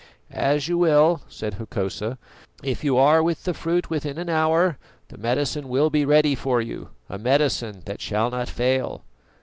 "As you will," said Hokosa. "If you are with the fruit within an hour, the medicine will be ready for you, a medicine that shall not fail."